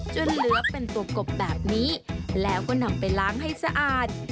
เหลือเป็นตัวกบแบบนี้แล้วก็นำไปล้างให้สะอาด